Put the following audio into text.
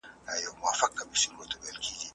ايا ستا پلار هم مطالعه کوي؟